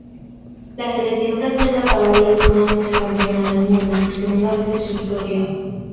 La selección francesa acabaría coronándose campeona del mundo por segunda vez en su historia.